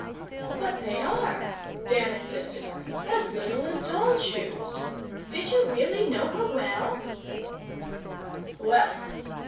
'But they are,' Dan insisted. 'As little as dolls' shoes. Did you really know her well?' 'Well.